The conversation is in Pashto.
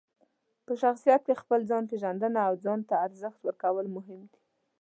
په شخصیت کې خپل ځان پېژندل او ځان ته ارزښت ورکول مهم دي.